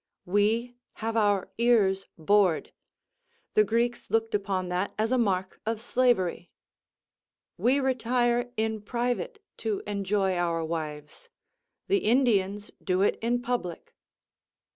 We have our ears bored; the Greeks looked upon that as a mark of slavery. We retire in private to enjoy our wives; the Indians do it in public.